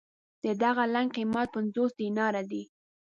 د دغه لنګ قېمت پنځوس دیناره دی.